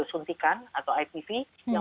suntikan atau ipv yang